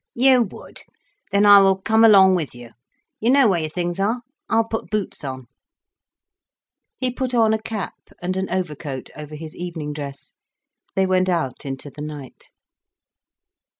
"You would! Then I will come along with you. You know where your things are? I'll put boots on." He put on a cap, and an overcoat over his evening dress. They went out into the night.